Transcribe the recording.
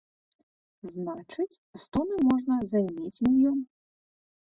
Значыць, з тоны можна займець мільён.